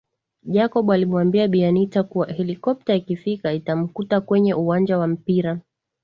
Jacob alimwambia Bi Anita kuwa helikopta ikifika itamkuta kwenye uwanja wa mpira